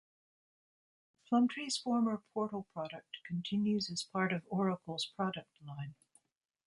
Plumtree's former portal product continues as part of Oracle's product line.